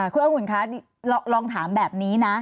คุณองุ่นคะลองถามแบบนี้นะ